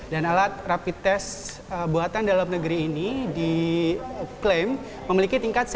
dan alat rapid test buatan dalam negeri ini diklaim memiliki tingkatnya